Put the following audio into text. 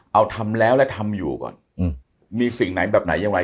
เอาทำแล้วและทำอยู่ก่อนมีสิ่งไหนแบบไหนอย่างไร